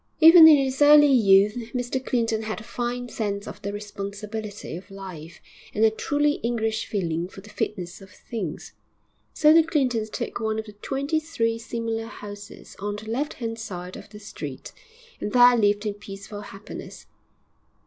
Even in his early youth Mr Clinton had a fine sense of the responsibility of life, and a truly English feeling for the fitness of things. So the Clintons took one of the twenty three similar houses on the left hand side of the street, and there lived in peaceful happiness.